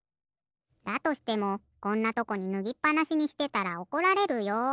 だとしてもこんなとこにぬぎっぱなしにしてたらおこられるよ。